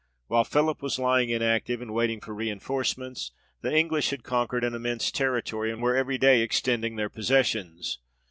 While Philip was lieing inactive, and waiting for reinforcements, the English had conquered an im mense territory, and were every day extending their possessions.